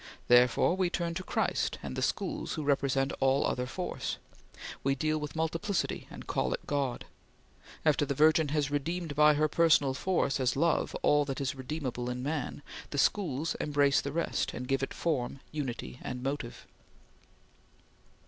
Therefore we turn to Christ and the Schools who represent all other Force. We deal with Multiplicity and call it God. After the Virgin has redeemed by her personal Force as Love all that is redeemable in man, the Schools embrace the rest, and give it Form, Unity, and Motive."